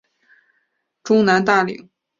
中南大羚。